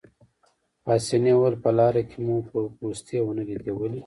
پاسیني وویل: په لاره کې مو پوستې ونه لیدې، ولې؟